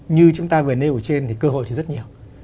như chúng ta vừa nêu ở trên thì cơ hội thì rất nhiều